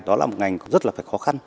đó là một ngành rất là phải khó khăn